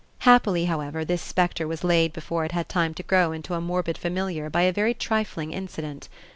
Happily, however, this specter was laid before it had time to grow into a morbid familiar by a very trifling incident.